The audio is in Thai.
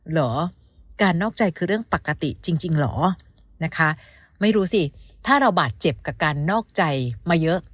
เหรอการนอกใจคือเรื่องปกติจริงเหรอนะคะไม่รู้สิถ้าเราบาดเจ็บกับการนอกใจมาเยอะ